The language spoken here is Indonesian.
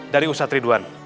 dari ustad ridwan